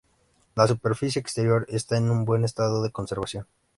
La superficie exterior está en buen estado de conservación.